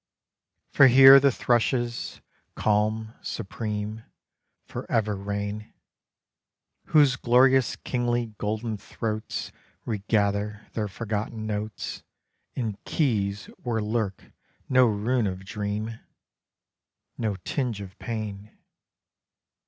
For here the thrushes, calm, supreme, Forever reign, Whose gloriously kingly golden throats Regather their forgotten notes In keys where lurk no ruin of dream, No tinge of pain.